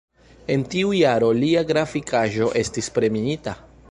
En tiu jaro lia grafikaĵo estis premiita.